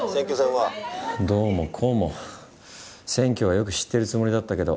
はぁどうもこうも選挙はよく知ってるつもりだったけど。